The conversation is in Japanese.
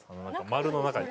丸の中に。